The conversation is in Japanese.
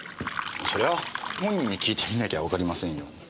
それは本人に訊いてみなきゃわかりませんよ。